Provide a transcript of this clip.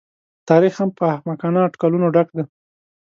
تاریخ هم په احمقانه اټکلونو ډک دی.